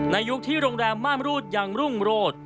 ยุคที่โรงแรมม่านรูดยังรุ่งโรด